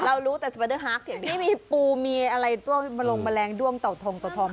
เรารู้แต่สวัสดีฮักษ์อย่างนี้มีปูมีอะไรต้องมาลงแมลงด้วมเตาทองเตาทอม